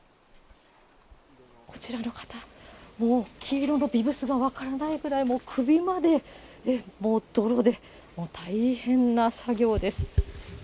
こちらの方、もう、黄色のビブスが分からないくらい、もう首までもう泥で、大変な作業です。